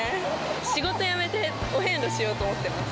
仕事辞めて、お遍路しようと思ってます。